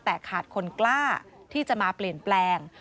แต่ขาดคนกล้าที่จะมาเปลี่ยนแปลง